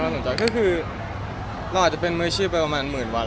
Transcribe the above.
คือเมื่อคือเราอาจจะเป็นเมล์ชี้ไปหมื่นวัน